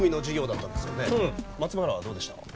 松原はどうでした？